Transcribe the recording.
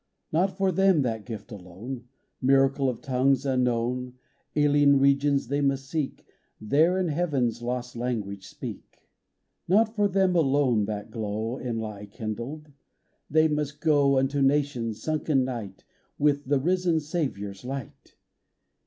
Not for them that gift alone, — Miracle of tongues unknown : Alien regions they must seek ; There in heaven's lost language speak. Not for them alone that glow, Inly kindled : they must go Unto nations sunk in night With the risen Saviour's light.